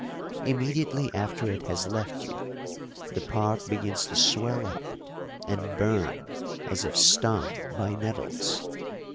Immediately after it has left you the part begins to swell up and burn as if stung by nettles.